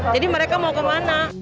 jadi mereka mau ke mana